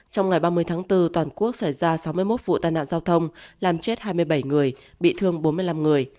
trong ngày ba mươi tháng bốn toàn quốc xảy ra sáu mươi một vụ tai nạn giao thông làm chết hai mươi bảy người bị thương bốn mươi năm người